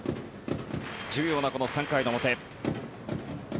重要なこの３回の表。